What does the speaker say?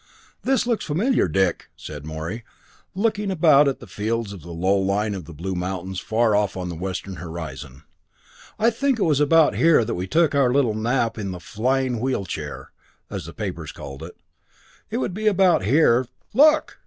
"This looks familiar, Dick," said Morey, looking about at the fields and the low line of the blue mountains far off on the western horizon. "I think it was about here that we took our little nap in the 'Flying Wheel chair', as the papers called it. It would be about here th LOOK!